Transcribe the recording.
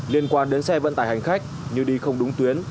liên quan đến xe vận tải hành khách như đi không đúng tuyến